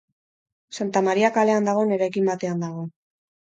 Santa Maria kalean dagoen eraikin batean dago.